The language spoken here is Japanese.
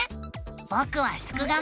ぼくはすくがミ。